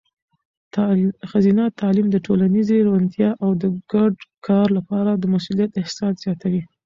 ښځینه تعلیم د ټولنیزې روڼتیا او د ګډ کار لپاره د مسؤلیت احساس زیاتوي.